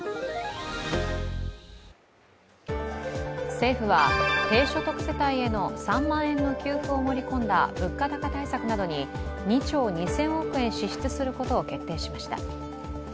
政府は低所得世帯への３万円の給付を盛り込んだ物価高対策などに２兆２０００億円支出することを決めました。